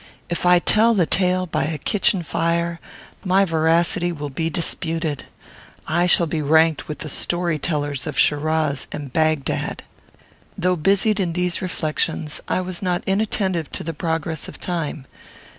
If I tell the tale by a kitchen fire, my veracity will be disputed. I shall be ranked with the story tellers of Shiraz and Bagdad." Though busied in these reflections, I was not inattentive to the progress of time.